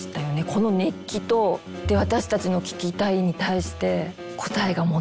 この熱気と私たちの「聞きたい」に対して答えが戻ってこない